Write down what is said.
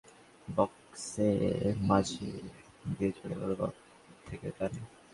কিন্তু নানির দুর্বল শটটা ঠিকই বক্সের মাঝ দিয়ে চলে গেল বাঁ থেকে ডানে।